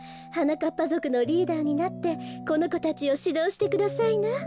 はなかっぱぞくのリーダーになってこのこたちをしどうしてくださいな。